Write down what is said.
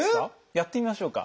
やってみましょうか。